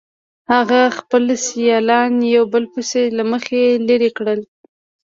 هغه خپل سیالان یو په بل پسې له مخې لرې کړل